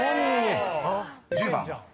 ［１０番は？］